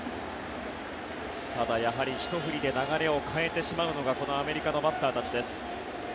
ただやはり、ひと振りで流れを変えてしまうのがこのアメリカのバッターたちです。